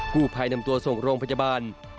ผู้ภัยนำตัวส่งโรงพยาบาล